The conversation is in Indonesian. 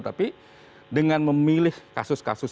tapi dengan memilih kasus kasus